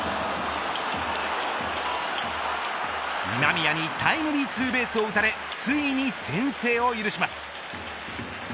今宮にタイムリーツーベースを打たれついに先制を許します。